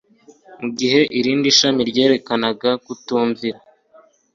mu gihe irindi shami ryerekanaga kutumvira